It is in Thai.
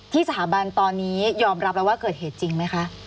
สถาบันตอนนี้ยอมรับแล้วว่าเกิดเหตุจริงไหมคะ